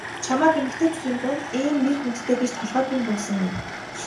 Чамайг эмэгтэйчүүдийн дунд ийм нэр хүндтэй гэж толгойд минь буусангүй.